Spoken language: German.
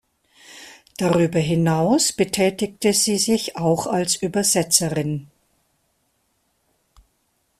Darüber hinaus betätigte sie sich auch als Übersetzerin.